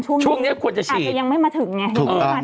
ช่วงนี้อาจจะยังไม่มาถึงใช่ไหม